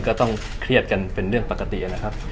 ก็ต้องเครียดกันเป็นเรื่องปกตินะครับ